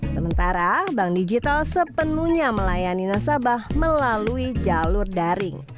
sementara bank digital sepenuhnya melayani nasabah melalui jalur daring